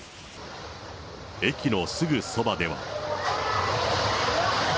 駅のすぐそばでは。